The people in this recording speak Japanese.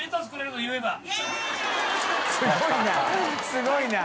すごいね。